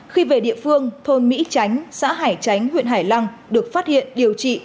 khi về địa phương thôn mỹ tránh xã hải chánh huyện hải lăng được phát hiện điều trị